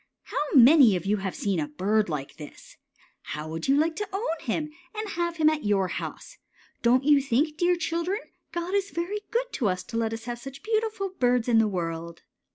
How many of you have seen a bird like this? How would you like to own him, and have him at your house? Don't you think, dear children, God is very good to us to let us have such beautiful birds in the world?